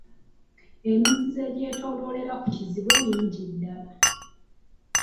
Emizizo egyetooloolera ku Kizibwe mingi ddala.